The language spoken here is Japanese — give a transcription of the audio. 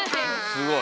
すごい。